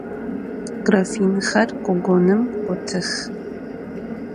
Grafinxer gogonım gotıx.